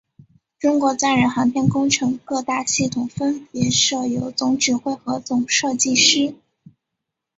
中国载人航天工程各大系统分别设有总指挥和总设计师。